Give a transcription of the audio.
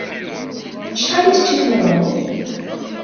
Acḥal i teččiḍ n uɣrum?